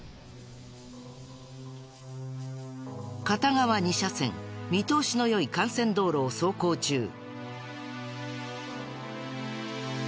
片側二車線見通しの良い幹線道路を走行中。